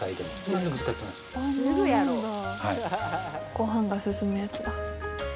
ご飯が進むやつだ。